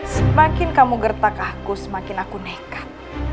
semakin kamu gertak aku semakin aku nekat